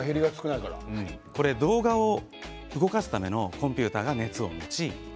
これは動画を動かすためのコンピューターが熱を帯びます。